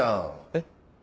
えっ。